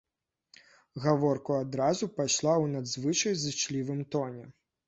Гаворка адразу пайшла ў надзвычай зычлівым тоне.